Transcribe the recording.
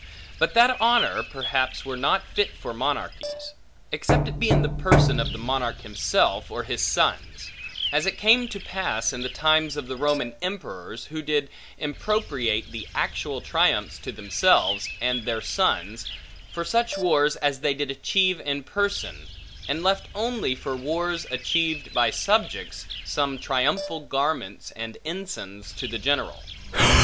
But that honor, perhaps were not fit for monarchies; except it be in the person of the monarch himself, or his sons; as it came to pass in the times of the Roman emperors, who did impropriate the actual triumphs to themselves, and their sons, for such wars as they did achieve in person; and left only, for wars achieved by subjects, some triumphal garments and ensigns to the general.